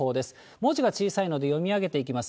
文字が小さいので読み上げていきます。